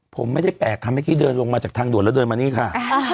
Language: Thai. ผมไม่ได้แปลกค่ะเมื่อกี้เดินลงมาจากทางด่วนแล้วเดินมานี่ค่ะ